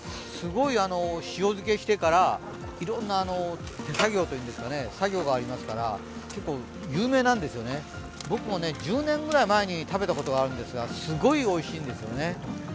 すごい塩漬けしてからいろんな作業がありますから結構有名なんですよね、僕も１０年ぐらい前に食べたことがあるんですがすごいおいしいんですよね